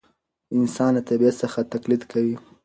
انسان له طبیعت څخه تقلید کوي.